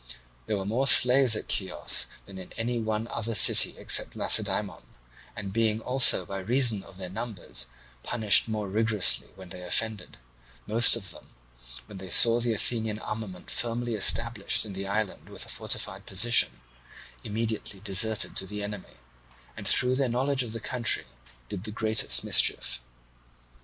There were more slaves at Chios than in any one other city except Lacedaemon, and being also by reason of their numbers punished more rigorously when they offended, most of them, when they saw the Athenian armament firmly established in the island with a fortified position, immediately deserted to the enemy, and through their knowledge of the country did the greatest mischief.